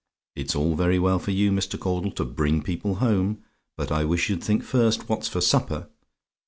It's all very well for you, Mr. Caudle, to bring people home but I wish you'd think first what's for supper.